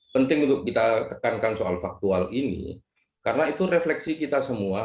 penting untuk kita tekankan soal faktual ini karena itu refleksi kita semua